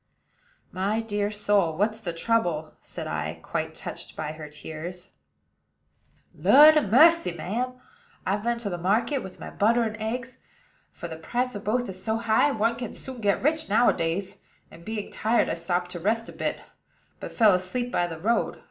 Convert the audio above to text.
"My dear soul, what's the trouble?" said I, quite touched by her tears. "Lud a mercy, ma'am! I've been to market with my butter and eggs, for the price of both is so high, one can soon get rich nowadays, and, being tired, I stopped to rest a bit, but fell asleep by the road.